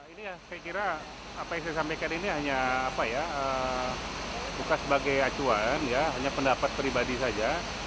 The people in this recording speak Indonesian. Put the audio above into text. ini ya saya kira apa yang saya sampaikan ini hanya apa ya bukan sebagai acuan ya hanya pendapat pribadi saja